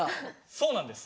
そうなんです。